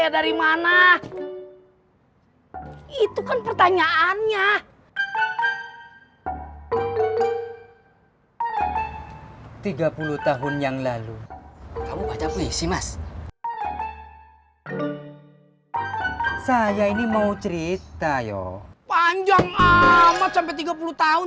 tiga puluh tahun yang lalu kamu baca puisi mas saya ini mau cerita yo panjang amat sampai tiga puluh tahun